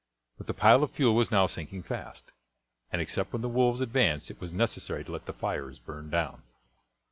But the pile of fuel was now sinking fast, and except when the wolves advanced it was necessary to let the fires burn down.